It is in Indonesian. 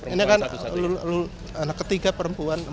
ini kan anak ketiga perempuan